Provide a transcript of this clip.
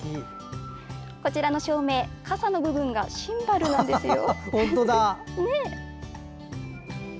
こちらの照明かさの部分がシンバルなんですよ。